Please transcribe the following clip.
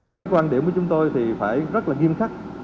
cái quan điểm của chúng tôi thì phải rất là nghiêm khắc